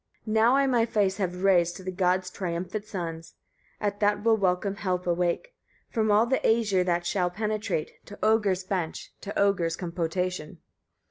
] 45. Now I my face have raised to the gods' triumphant sons, at that will welcome help awake; from all the Æsir, that shall penetrate, to Oegir's bench, to Oegir's compotation.